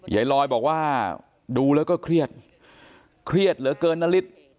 ยายลอยบอกว่าดูแล้วก็เครียดเครียดเหลือเกินนฤทธิ์